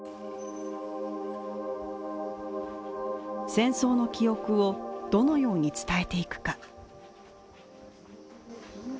戦争の記憶をどのように伝えていくか。